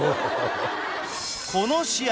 この試合